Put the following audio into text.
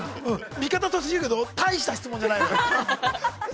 ◆味方として言うけど、大した質問じゃないのよ。